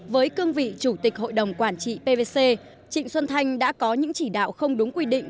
với cương vị chủ tịch hội đồng quản trị pvc trịnh xuân thanh đã có những chỉ đạo không đúng quy định